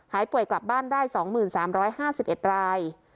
หายป่วยกลับบ้านได้สองหมื่นสามร้อยห้าสิบเอ็ดราย